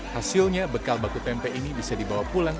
hasilnya bekal baku tempe ini bisa dibawa pulang